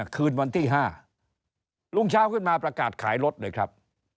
คืนวันที่๕รุ่งเช้าขึ้นมาประกาศขายรถเลยครับ